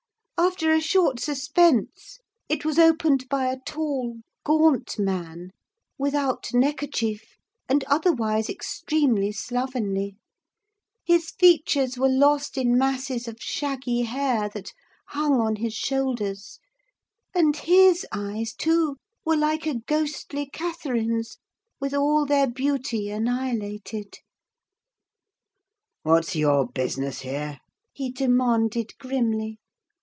After a short suspense, it was opened by a tall, gaunt man, without neckerchief, and otherwise extremely slovenly; his features were lost in masses of shaggy hair that hung on his shoulders; and his eyes, too, were like a ghostly Catherine's with all their beauty annihilated. "What's your business here?" he demanded, grimly.